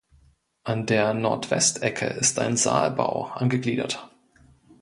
An der Nordwestecke ist ein Saalbau angegliedert.